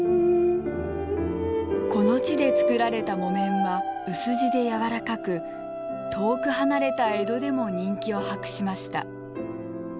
この地で作られた木綿は薄地で柔らかく遠く離れた江戸でも人気を博しました。